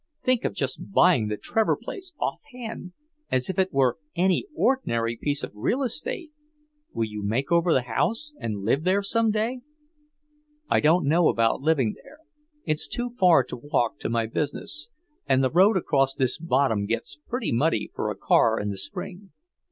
Think of just buying the Trevor place off hand, as if it were any ordinary piece of real estate! Will you make over the house, and live there some day?" "I don't know about living there. It's too far to walk to my business, and the road across this bottom gets pretty muddy for a car in the spring."